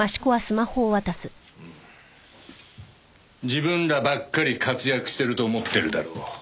自分らばっかり活躍してると思ってるだろう。